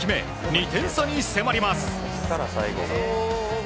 ２点差に迫ります。